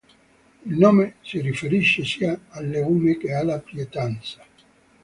Il nome si riferisce sia al legume che alla pietanza.